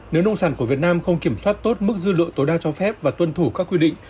nếu nông sản của việt nam không kiểm soát tốt mức dư lượng tối đa cho phép và tuân thủ các quy định